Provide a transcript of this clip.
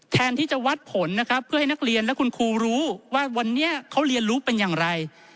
แทนที่จะวัดผลนะครับเพื่อให้นักเรียนและคุณครูรู้ว่าวันนี้เขาเรียนรู้เป็นอย่างไร